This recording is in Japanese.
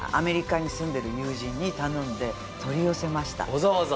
わざわざ？